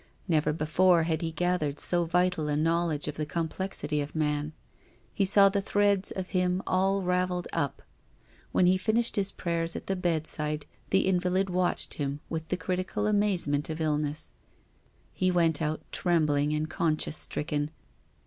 Never before had he gathered so vital a knowledge of the complexity of man. He saw the threads of him all ravelled up. When he finished his prayers at the bedside, the invalid watched him with the critical amazement of ill ness. He went out trembling and conscience stricken.